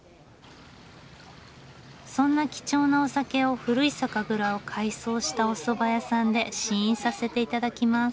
そんな貴重なお酒を古い酒蔵を改装したおそば屋さんで試飲させて頂きます。